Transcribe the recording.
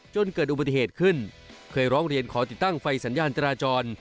จนเกิดอุบัติเหตุขึ้นเคยร้องเรียนขอติดตั้งไฟสัญญาณจราจร